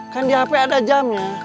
kan di hp ada jamnya